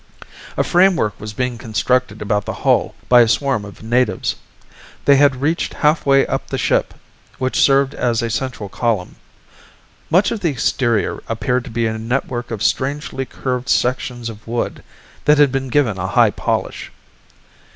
A framework was being constructed about the hull by a swarm of natives. They had reached halfway up the ship, which served as a central column. Much of the exterior appeared to be a network of strangely curved sections of wood that had been given a high polish.